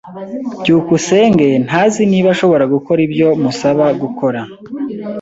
byukusenge ntazi niba ashobora gukora ibyo musaba gukora.